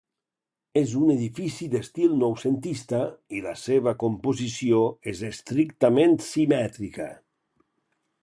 És un edifici d'estil noucentista i la seva composició és estrictament simètrica.